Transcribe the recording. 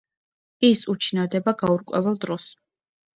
ის უჩინარდება გაურკვეველ დროს.